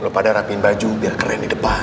lo pada rapiin baju biar keren di depan